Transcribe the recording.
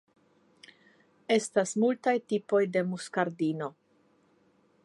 Estas multaj tipoj de muskardino.